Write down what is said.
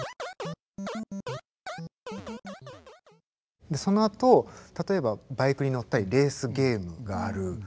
あ！でそのあと例えばバイクに乗ったりレースゲームがある。